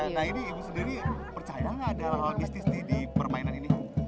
nah ini ibu sendiri percaya enggak ada logistis di permainan ini